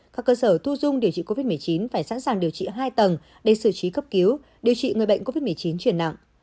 các cơ sở thu dung điều trị covid một mươi chín phải sẵn sàng điều trị hai tầng để xử trí cấp cứu điều trị người bệnh covid một mươi chín chuyển nặng